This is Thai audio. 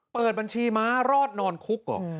เปิดบัญชีม้ารอดนอนคุกเหรอ